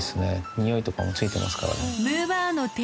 匂いとかもついてますからね。